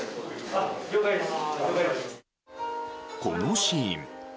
このシーン。